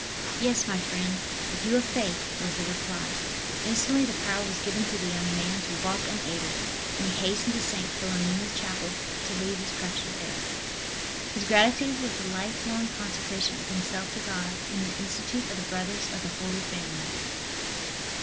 "Yes, my friend, if you have faith," was the reply. Instantly the power was given to the young man to walk unaided, and he hastened to St. Philomena's chapel to leave his crutches there. His gratitude was the life long consecration of himself to God in the institute of the Brothers of the Holy Family.